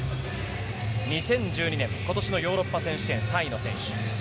２０１２年、ことしのヨーロッパ選手権３位の選手。